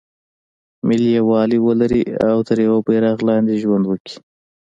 ملي یووالی ولري او تر یوه بیرغ لاندې ژوند وکړي.